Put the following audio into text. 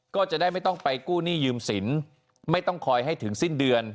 ก็จะได้ไม่ต้องไปกู้หนี้ยืมสินไม่ต้องคอยให้ถึงสิ้นเดือน